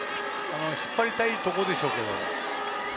引っ張りたいところでしょうけど。